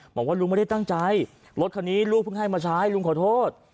บอกว่าลุงไม่ได้ตั้งใจรถคันนี้ลูกเพิ่งให้มาใช้ลุงขอโทษ